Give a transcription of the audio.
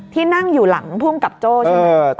ที่นั่งอยู่หลังภูมิกับโจ้ใช่ไหม